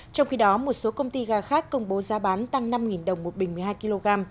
trong khi đó một số công ty gà khác công bố giá bán tăng năm đồng một bình một mươi hai kg